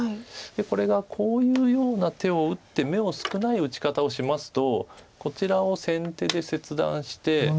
これがこういうような手を打って眼を少ない打ち方をしますとこちらを先手で切断して。